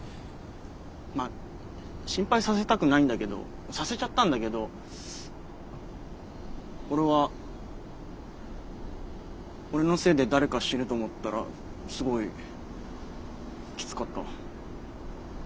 まあ心配させたくないんだけどさせちゃったんだけど俺は俺のせいで誰か死ぬと思ったらすごいきつかった。